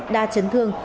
đa chấn thương